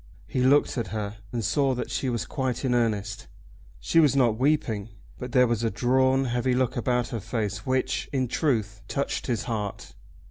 He looked at her, and saw that she was quite in earnest. She was not weeping, but there was a drawn, heavy look about her face which, in truth, touched his heart.